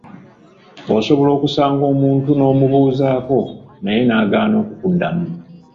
Osobola okusanga omuntu n’omubuuzaako naye n'agaana okukuddamu.